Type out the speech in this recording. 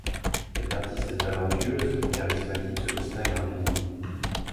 Cette artiste talentueuse et charismatique se distingue rapidement.